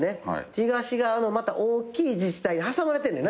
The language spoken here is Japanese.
東側の大きい自治体に挟まれてんねんな。